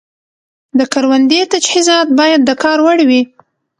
د کروندې تجهیزات باید د کار وړ وي.